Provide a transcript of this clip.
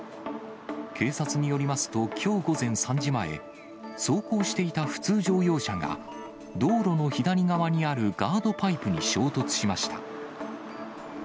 警察によりますと、きょう午前３時前、走行していた普通乗用車が道路の左側にあるガードパイプに衝突しました。